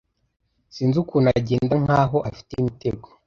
sinzi ukuntu agenda mkaho afite imitego